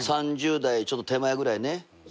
３０代ちょっと手前ぐらいね。